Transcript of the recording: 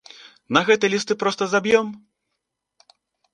На гэты лісты проста заб'ём?